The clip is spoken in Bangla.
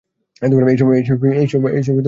এবার তোমার অসুবিধা হবে না তো?